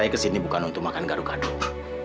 saya kesini bukan untuk makan garuk aduk